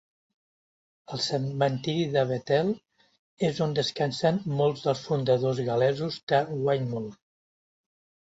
El cementiri de Bethel és on descansen molts dels fundadors gal·lesos de Wymore.